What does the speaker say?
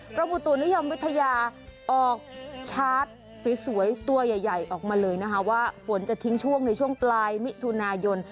อุตุนิยมวิทยาออกชาร์จสวยตัวใหญ่ออกมาเลยนะคะว่าฝนจะทิ้งช่วงในช่วงปลายมิถุนายน